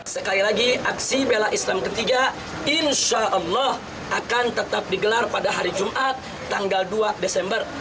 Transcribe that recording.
sekali lagi aksi bela islam ketiga insya allah akan tetap digelar pada hari jumat tanggal dua desember